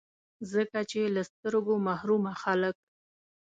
ځکه چي له سترګو محرومه خلګ